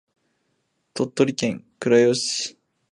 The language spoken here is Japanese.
鳥取県倉吉市